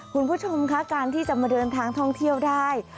คุณผู้ชมคะการที่จะมาเดินทางท่องเที่ยวได้